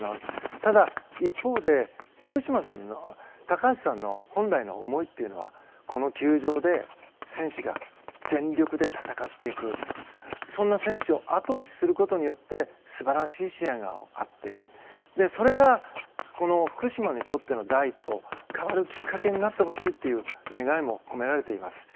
ただ、一方で高橋さんの本来の思いというのはこの球場で選手が全力で戦っていくそんな選手を後押しすることによって素晴らしい試合になってそれが福島にとっての第一歩変わるきっかけになってほしいという願いも込められています。